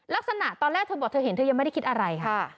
ลักษณะตอนแรกเธอบอกเธอเห็นเธอยังไม่ได้คิดอะไรค่ะ